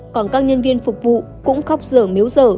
còn các nhân viên phục vụ cũng khóc dở miếu dở